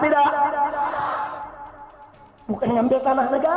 bukan ngambil tanah negara saudara